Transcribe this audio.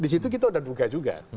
disitu kita udah duga juga